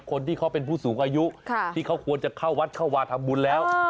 คนที่เขาเป็นผู้สูงอายุที่เขาควรจะเข้าวัดเข้าวาทำบุญแล้ว